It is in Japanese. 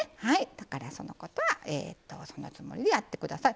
だからそのことはそのつもりでやって下さい。